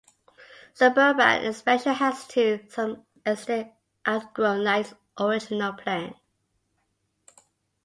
Suburban expansion has to some extent outgrown Light's original plan.